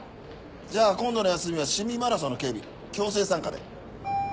じゃあ今度の休みは市民マラソンの警備強制参加で。